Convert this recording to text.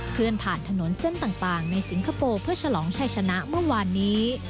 เคลื่อนผ่านถนนเส้นต่างในสิงคโปร์เพื่อฉลองชัยชนะเมื่อวานนี้